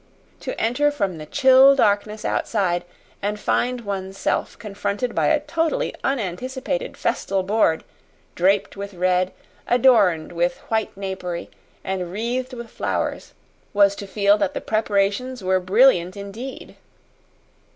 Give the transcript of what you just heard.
To enter from the chill darkness outside, and find one's self confronted by a totally unanticipated festal board, draped with red, adorned with white napery, and wreathed with flowers, was to feel that the preparations were brilliant indeed.